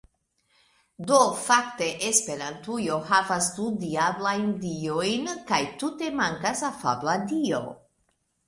Do fakte esperantujo havas du diablajn diojn kaj tute mankas afabla dio